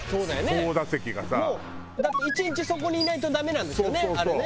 もうだって１日そこにいないとダメなんですよねあれね。